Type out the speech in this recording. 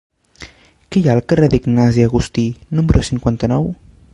Què hi ha al carrer d'Ignasi Agustí número cinquanta-nou?